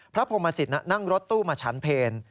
พระพรมศิษย์นั่งรถตู้มาฉันเพล